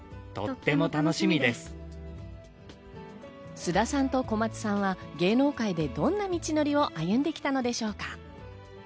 菅田さんと小松さんは芸能界でどんない道のりを歩んできたのでしょうか。